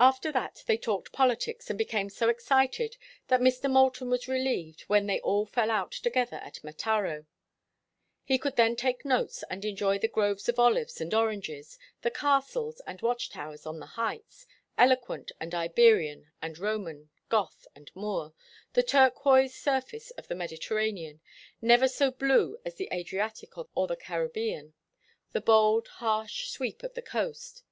After that they talked politics and became so excited that Mr. Moulton was relieved when they all fell out together at Mataro. He could then take notes and enjoy the groves of olives and oranges, the castles and watch towers on the heights, eloquent and Iberian and Roman, Goth and Moor, the turquoise surface of the Mediterranean—never so blue as the Adriatic or the Caribbean—the bold, harsh sweep of the coast.